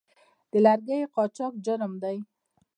د لرګیو قاچاق جرم دی